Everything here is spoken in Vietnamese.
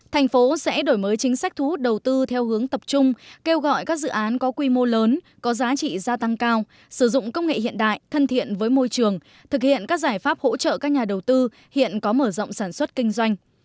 thành phố sẽ đổi mới chính sách thu hút đầu tư theo hướng tập trung kêu gọi các dự án có quy mô lớn có giá trị gia tăng cao sử dụng công nghệ hiện đại thân thiện với môi trường thực hiện các giải pháp hỗ trợ các nhà đầu tư hiện có mở rộng sản xuất kinh doanh